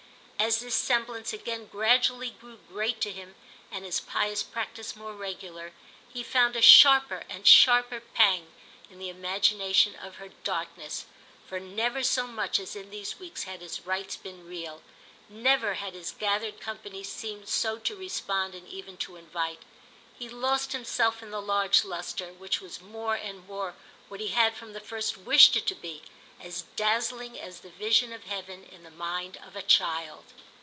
As this semblance again gradually grew great to him and his pious practice more regular, he found a sharper and sharper pang in the imagination of her darkness; for never so much as in these weeks had his rites been real, never had his gathered company seemed so to respond and even to invite. He lost himself in the large lustre, which was more and more what he had from the first wished it to be—as dazzling as the vision of heaven in the mind of a child.